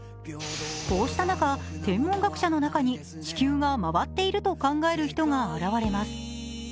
こうした中、天文学者の中に地球が回っていると考える人が現れます。